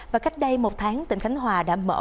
và cách đây một tháng tỉnh khánh hòa đã mở